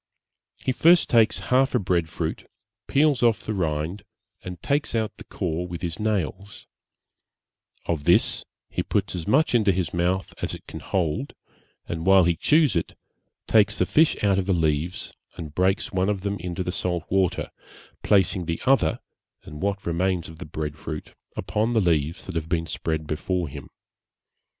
He first takes half a bread fruit, peels off the rind, and takes out the core with his nails; of this he puts as much into his mouth as it can hold, and while he chews it, takes the fish out of the leaves and breaks one of them into the salt water, placing the other, and what remains of the bread fruit, upon the leaves that have been spread before him.